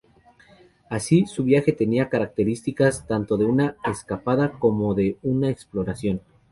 Así, su viaje tenía características tanto de una escapada como de una exploración.